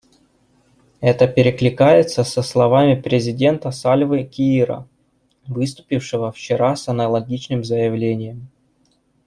Это перекликается со словами президента Сальвы Киира, выступившего вчера с аналогичным заявлением.